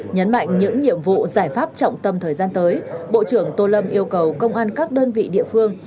nhấn mạnh những nhiệm vụ giải pháp trọng tâm thời gian tới bộ trưởng tô lâm yêu cầu công an các đơn vị địa phương